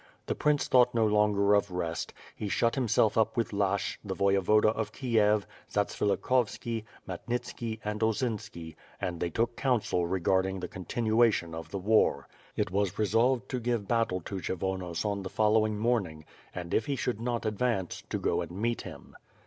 The prince thought no longer of rest; he shut himself up with Lashch, the Voyevoda of Kiev, Zatzvilikhovski, Ma knit ski, and Osinski and they took counsel regarding the continu ation of the war. It was resolved to give battle to Kshyvonos on the following morning; and, if he should not advance, to go and meet him.